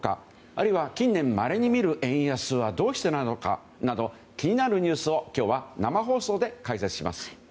あるいは近年まれに見る円安はどうしてなのかなど気になるニュースを今日は生放送で解説します。